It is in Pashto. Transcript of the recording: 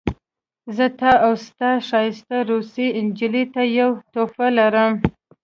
زه تا او ستا ښایسته روسۍ نجلۍ ته یوه تحفه لرم